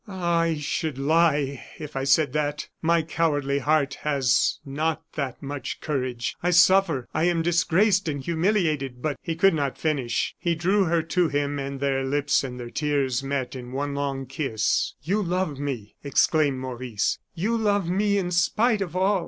"Ah! I should lie if I said that. My cowardly heart has not that much courage! I suffer I am disgraced and humiliated, but " He could not finish; he drew her to him, and their lips and their tears met in one long kiss. "You love me," exclaimed Maurice, "you love me in spite of all!